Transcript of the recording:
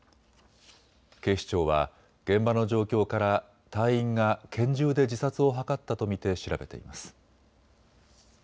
警視庁は現場の状況から隊員が拳銃で自殺を図ったと見て調べています。